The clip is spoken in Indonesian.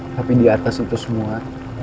tapi di atas itu semua